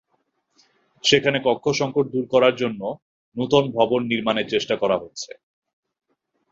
সেখানে কক্ষ-সংকট দূর করার জন্য নতুন ভবন নির্মাণের চেষ্টা করা হচ্ছে।